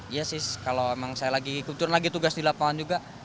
iya sih kalau emang saya lagi kuntur lagi tugas di lapangan juga